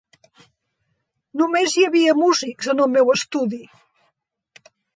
Només hi havia músics en el meu estudi!